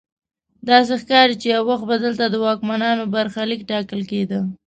داسې ښکاري چې یو وخت به دلته د واکمنانو برخلیک ټاکل کیده.